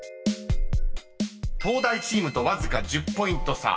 ［東大チームとわずか１０ポイント差。